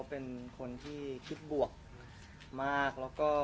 เป็นคนที่คิดบวกมาก